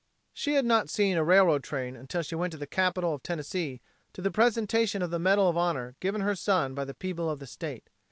She had not seen a railroad train until she went to the capital of Tennessee to the presentation of the medal of honor given her son by the people of the state.